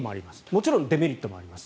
もちろんデメリットもあります。